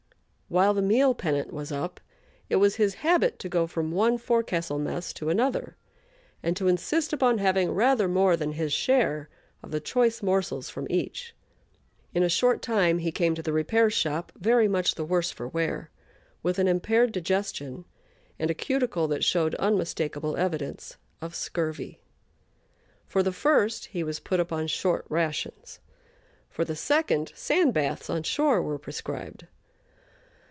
While the meal pennant was up, it was his habit to go from one fore castle mess to another, and to insist upon having rather more than his share of the choice morsels from each. In a short time he came to the repair shop very much the worse for wear, with an impaired digestion and a cuticle that showed unmistakable evidence of scurvy. For the first he was put upon short rations; for the second, sand baths on shore were prescribed.